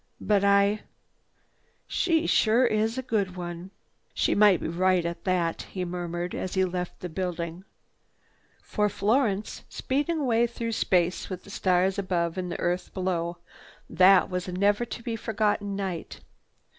"But I—she sure is a good one! "She might be right at that," he murmured as he left the building. For Florence, speeding away through space with the stars above and the earth below, that was a never to be forgotten night.